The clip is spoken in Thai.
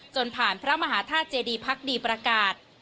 จนผ่านพระมหาธาตุเจดีพักดีประกาศ